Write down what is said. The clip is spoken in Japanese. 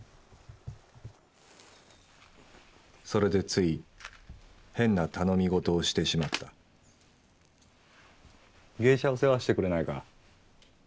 それでつい変な頼み事をしてしまった芸者を世話してくれないか。